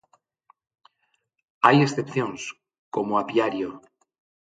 Hai excepcións, como Apiario.